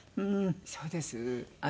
そうです。